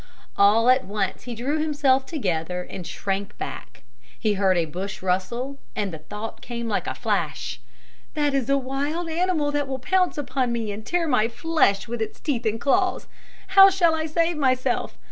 All at once he drew himself together and shrank back. He heard a bush rustle and the thought came like a flash, "That is a wild animal that will pounce upon me and tear my flesh with his teeth and claws. How shall I save myself?